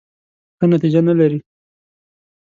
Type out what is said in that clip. ښه نتیجه نه لري .